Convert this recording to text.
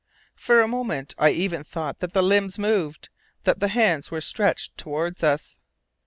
For a moment I even thought that the limbs moved, that the hands were stretched towards us.